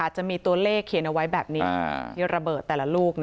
จะมีตัวเลขเขียนเอาไว้แบบนี้ที่ระเบิดแต่ละลูก